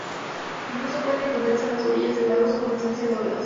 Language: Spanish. Incluso pueden encontrarse en las orillas de lagos con presencia de olas.